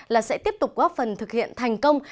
là sẽ tiếp tục góp phần thực hiện thành công